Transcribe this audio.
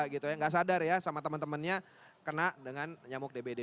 gitu ya gak sadar ya sama teman temannya kena dengan nyamuk dbd